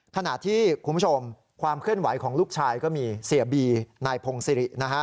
ขณะที่คุณผู้ชมความเคลื่อนไหวของลูกชายก็มีเสียบีนายพงศิรินะฮะ